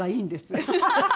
ハハハハ！